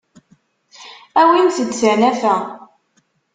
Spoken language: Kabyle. Awimt-d tanafa.